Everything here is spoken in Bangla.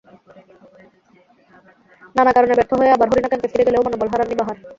নানা কারণে ব্যর্থ হয়ে আবার হরিণা ক্যাম্পে ফিরে গেলেও মনোবল হারাননি বাহার।